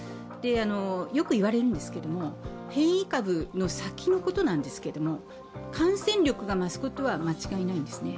よく言われるんですけれども変異株の先のことなんですが感染力が増すことは間違いないんですね。